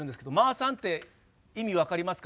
さんって意味分かりますか？